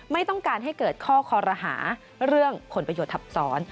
ไม่ต้องการให้เกิดข้อคอรหาเรื่องผลประโยชน์ทับซ้อน